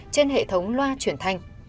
trên hệ thống loa chuyển thanh